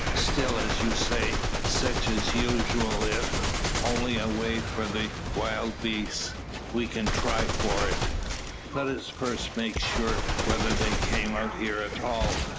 Still, as you say, sech is usooal, ef only a way for the wild beasts. We kin try for it." "Let us first make sure whether they came out here at all.